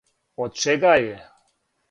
Од чега је?